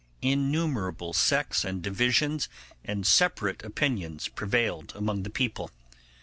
Innumerable sects and divisions and separate opinions prevailed among the people.